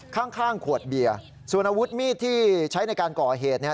ข้างขวดเบียร์ส่วนอาวุธมีดที่ใช้ในการก่อเหตุเนี่ย